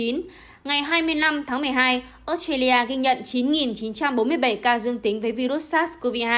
ngày hai mươi năm tháng một mươi hai australia ghi nhận chín chín trăm bốn mươi bảy ca dương tính với virus sars cov hai